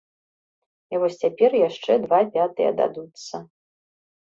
І вось цяпер яшчэ два пятыя дадуцца.